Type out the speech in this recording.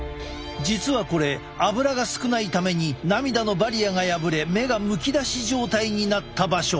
実はこれアブラが少ないために涙のバリアが破れ目がむき出し状態になった場所！